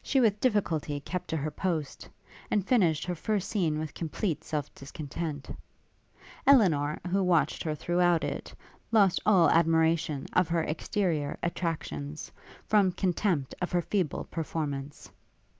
She with difficulty kept to her post, and finished her first scene with complete self discontent. Elinor, who watched her throughout it, lost all admiration of her exterior attractions, from contempt of her feeble performance.